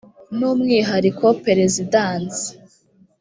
ni umwihariko perezidansi